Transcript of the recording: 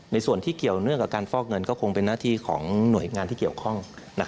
ส่วนที่เกี่ยวเนื่องกับการฟอกเงินก็คงเป็นหน้าที่ของหน่วยงานที่เกี่ยวข้อง